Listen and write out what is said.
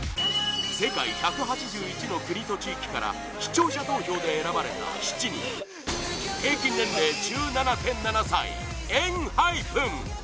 そのメンバーは世界１８１の国と地域から視聴者投票で選ばれた７人平均年齢１７．７歳ＥＮＨＹＰＥＮ！